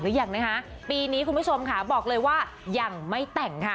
หรือยังนะคะปีนี้คุณผู้ชมค่ะบอกเลยว่ายังไม่แต่งค่ะ